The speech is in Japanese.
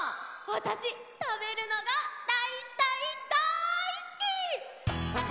わたしたべるのがだいだいだいすき！